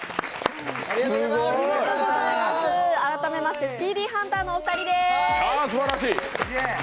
改めましてスピーディーハンターのお二人です。